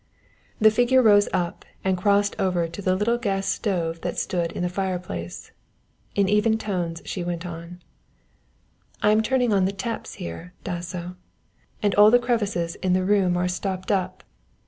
The figure rose up and crossed over to the little gas stove that stood in the fire place. In even tones she went on "I am turning on the taps, here, Dasso, and all the crevices in the room are stopped up.